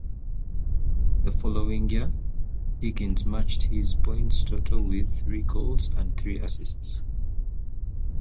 The following year, Higgins matched his points total with three goals and three assists.